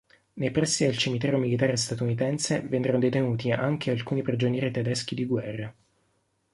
Nei pressi del cimitero militare statunitense vennero detenuti anche alcuni prigionieri tedeschi di guerra.